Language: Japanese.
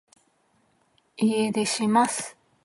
家出します